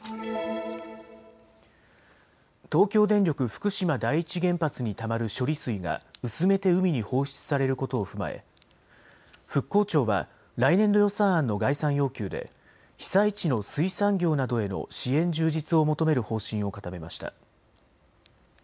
東京電力福島第一原発にたまる処理水が薄めて海に放出されることを踏まえ復興庁は来年度予算案の概算要求で被災地の水産業などへの支援充実を求める方針を固めました。